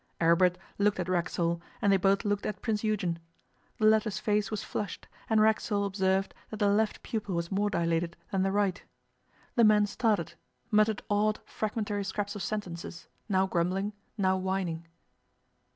Aribert looked at Racksole, and they both looked at Prince Eugen. The latter's face was flushed, and Racksole observed that the left pupil was more dilated than the right. The man started, muttered odd, fragmentary scraps of sentences, now grumbling, now whining.